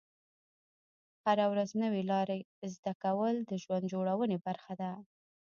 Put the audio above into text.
هره ورځ نوې لارې زده کول د ژوند جوړونې برخه ده.